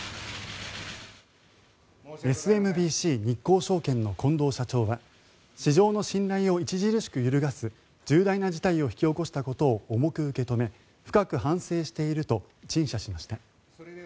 ＳＭＢＣ日興証券の近藤社長は市場の信頼を著しく揺るがす重大な事態を引き起こしたことを重く受け止め深く反省していると陳謝しました。